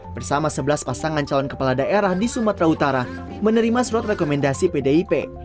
bersama sebelas pasangan calon kepala daerah di sumatera utara menerima surat rekomendasi pdip